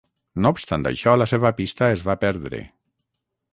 No obstant això la seva pista es va perdre.